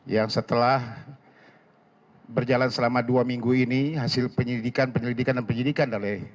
yang setelah berjalan selama dua minggu ini hasil penyelidikan penyelidikan dan penyidikan